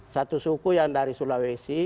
satu suku yang dari sulawesi